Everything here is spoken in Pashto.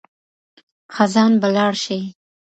خزان به لاړ شي.